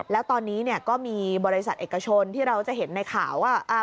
แล้วตอนนี้ก็มีบริษัทเอกชนที่เราจะเห็นในข่าวว่า